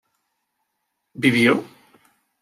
¿vivió?